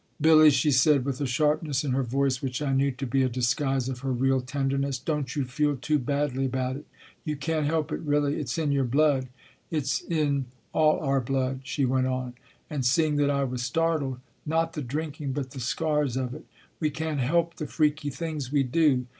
" Billy," she said, with a sharpness in her voice which I knew to be a disguise of her real tenderness, " don t you feel too badly about it. You can t help it, really ; it s in your blood. It s in all our blood," she went on; and seeing that I was startled, "not the drinking, but the scars of it. We can t help the freaky things we do.